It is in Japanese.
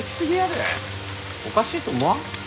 おかしいと思わん？